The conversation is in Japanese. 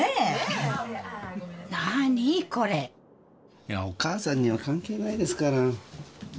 いやお母さんには関係ないですから。